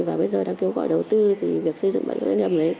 và bây giờ đang kêu gọi đầu tư thì việc xây dựng bãi đỗ xe ngầm ấy